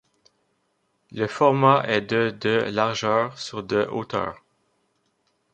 Le format est de de largeur sur de hauteur.